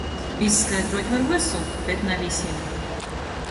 Izskaidruot var vysu, bet na vysim.